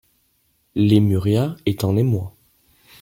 Lemuria est en émoi!